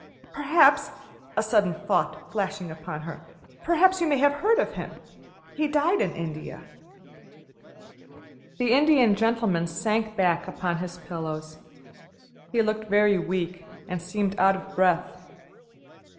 Perhaps," a sudden thought flashing upon her, "perhaps you may have heard of him? He died in India." The Indian Gentleman sank back upon his pillows. He looked very weak, and seemed out of breath.